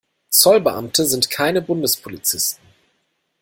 Zollbeamte sind keine Bundespolizisten.